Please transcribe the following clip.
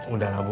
udah lah bu